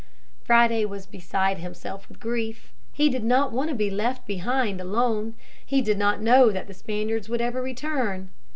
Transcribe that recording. Friday was beside himself with grief. He did not want to be left behind alone. He did not know that the Spaniards would ever return.